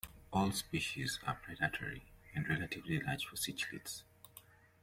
All species are predatory and relatively large for cichlids.